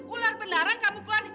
ular beneran kamu keluar